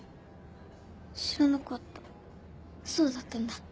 知らなかったそうだったんだ。